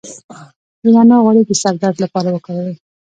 د نعناع غوړي د سر درد لپاره وکاروئ